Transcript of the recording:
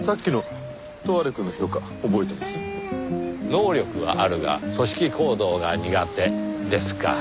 能力はあるが組織行動が苦手ですか。